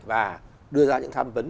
và đưa ra những tham vấn